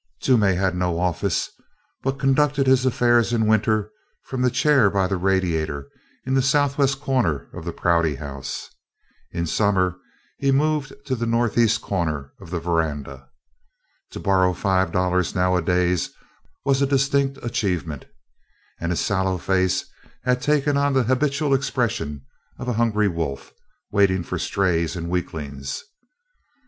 Toomey had no office, but conducted his affairs in winter from the chair by the radiator in the southwest corner of the Prouty House. In summer, he moved to the northeast corner of the veranda. To borrow five dollars nowadays was a distinct achievement, and his sallow face had taken on the habitual expression of a hungry wolf waiting for strays and weaklings.